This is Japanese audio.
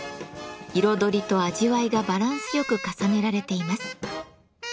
彩りと味わいがバランスよく重ねられています。